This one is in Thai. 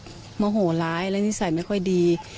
เขาเป็นคนที่วันนิสัยแบบหลายและนิสัยไม่ค่อยดี